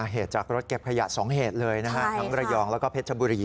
เหตุจากรถเก็บขยะ๒เหตุเลยนะฮะทั้งระยองแล้วก็เพชรบุรี